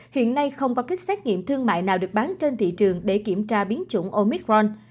hiện nay không có kích xét nghiệm thương mại nào được bán trên thị trường để kiểm tra biến chủng omicron